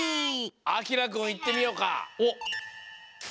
あきらくんいってみようか！